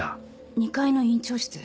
２階の院長室